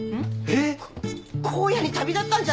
えっ！？